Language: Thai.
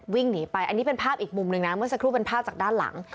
วิ่งหนีไปอันนี้เป็นภาพอีกมุมหนึ่งนะเมื่อสักครู่เป็นภาพจากด้านหลัง